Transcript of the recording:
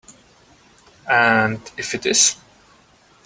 And if it is?